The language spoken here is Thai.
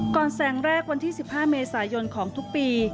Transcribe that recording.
แสงแรกวันที่๑๕เมษายนของทุกปี